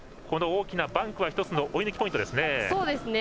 この大きなバンクは１つの追い抜きポイントですね。